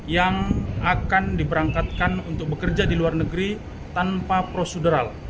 yang akan diberangkatkan untuk bekerja di luar negeri tanpa prosedural